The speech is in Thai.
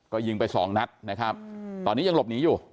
ก็ยิงไปสองนัดนะครับตอนนี้ยังหลบหนีอยู่